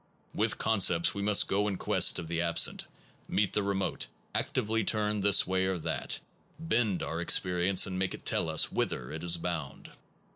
With concepts we go in quest of the ab sent, meet the remote, actively turn this way or that, bend our experience, and make it tell us whither it is bound.